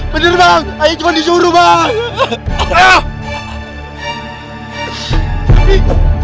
bener bang ayo cuma disuruh bang